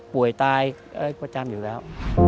ป่วยตายอะไรประจำอยู่แล้ว